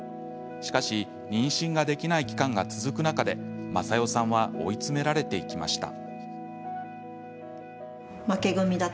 しかし妊娠ができない期間が続く中で、雅代さんは追い詰められていきました。